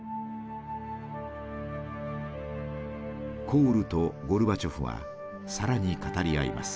コールとゴルバチョフは更に語り合います。